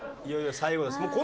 いよいよ最後です。